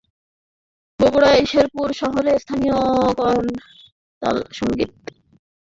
বগুড়ার শেরপুর শহরে স্থানীয় কলতান সংগীত বিদ্যালয়ের খুদে শিল্পীরা দেশাত্মবোধক গান পরিবেশন করেছে।